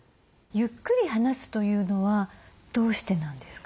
ゆっくり話すというのはどうしてなんですか？